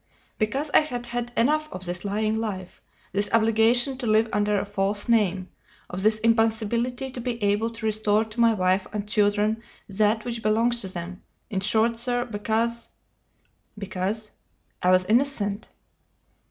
"Because I had had enough of this lying life, this obligation to live under a false name, of this impossibility to be able to restore to my wife and children that which belongs to them; in short, sir, because " "Because?" "I was innocent!"